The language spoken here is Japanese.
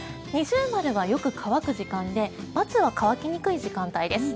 ◎は、よく乾く時間で×は乾きにくい時間帯です。